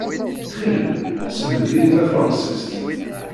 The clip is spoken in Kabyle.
Ttxil-m, sselmed-iyi tafṛensist.